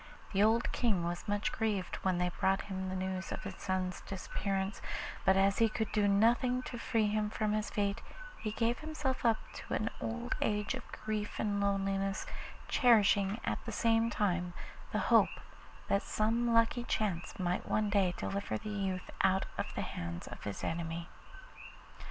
The old King was much grieved when they brought him the news of his son's disappearance, but as he could do nothing to free him from his fate, he gave himself up to an old age of grief and loneliness, cherishing at the same time the hope that some lucky chance might one day deliver the youth out of the hands of his enemy.